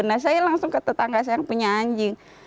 nah saya langsung ke tetangga saya yang punya anjing